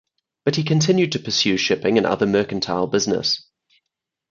But he continued to pursue shipping and other mercantile business.